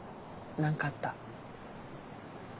何かあった？